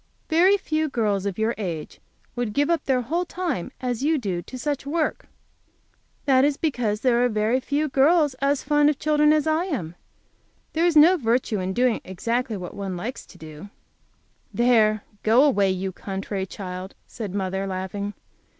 "Very few girls of your age would give up their whole time as you do to such work." "That is because very few girls are as fond of children as I am. There is no virtue in doing exactly what one likes best to do." "There, go away, you contrary child," said mother, laughing.